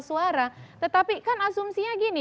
suara tetapi kan asumsinya gini